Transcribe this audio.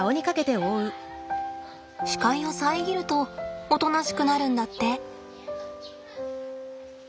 視界を遮るとおとなしくなるんだって。